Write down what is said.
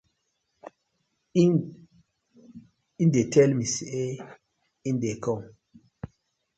Him dey tey mi say im dey kom.